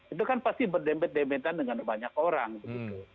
itu kan pasti berdempet dempetan kepada banyak orang gitu